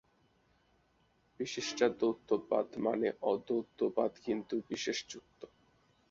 বিশিষ্টাদ্বৈতবাদ মানে অদ্বৈতবাদ, কিন্তু বিশেষযুক্ত।